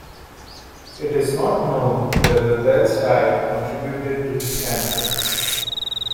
It is not known whether Bell's diet contributed to his cancer.